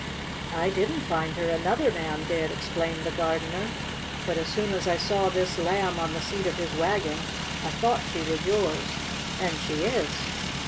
"I didn't find her. Another man did," explained the gardener. "But as soon as I saw this Lamb on the seat of his wagon, I thought she was yours. And she is!"